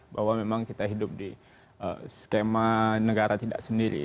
bahwa memang kita hidup di skema negara tidak sendiri